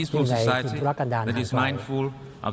อยู่ในธุรกรรดานทางสอง